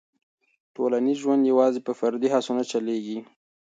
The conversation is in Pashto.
ټولنیز ژوند یوازې په فردي هڅو نه چلېږي.